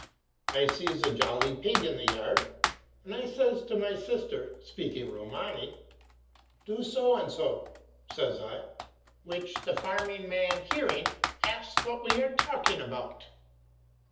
I sees a jolly pig in the yard, and I says to my sister, speaking Romany, 'Do so and so,' says I; which the farming man hearing, asks what we are talking about.